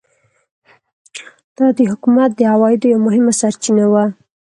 دا د حکومت د عوایدو یوه مهمه سرچینه وه.